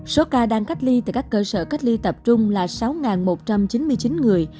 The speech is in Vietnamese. số ca đang cách ly tại các cơ sở cách ly tập trung là sáu một trăm chín mươi chín người